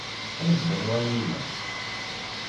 Af-d anwa ay iyi-ilan.